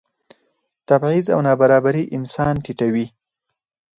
تبعیض او نابرابري انسان ټیټوي.